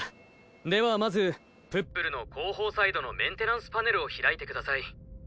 ではまずプップルのこうほうサイドのメンテナンスパネルをひらいてください。